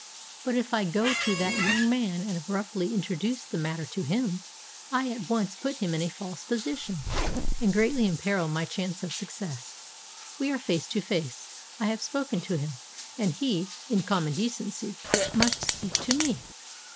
But if I go to that young man and abruptly introduce the matter to him, I at once put him in a false position, and greatly imperil my chance of success. We are face to face; I have spoken to him, and he, in common decency, must speak to me.